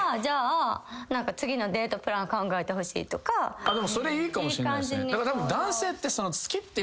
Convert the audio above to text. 例えば。それいいかもしんないっすね。